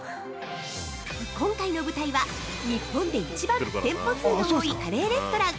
◆今回の舞台は日本で１番店舗数の多いカレーレストラン。